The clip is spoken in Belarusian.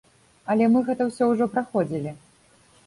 Але мы гэта ўсё ўжо праходзілі.